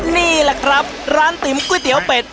นี่แหละครับร้านติ๋มก๋วยเตี๋ยวเป็ด